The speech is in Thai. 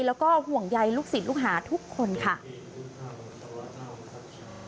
แล้วก็ห่วงใยลูกศิษย์ลูกหาทุกคนค่ะ